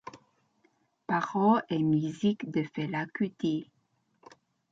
Paroles et musiques de Fela Kuti.